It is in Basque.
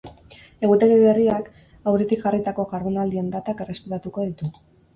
Egutegi berriak, auretik jarritako jardunaldien datak errespetatuko ditu.